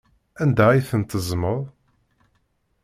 Anda ay tent-teẓẓmeḍ?